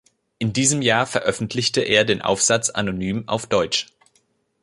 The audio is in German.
In diesem Jahr veröffentlichte er den Aufsatz anonym auf Deutsch.